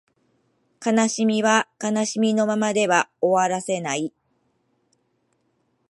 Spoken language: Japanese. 悲しみは悲しみのままでは終わらせない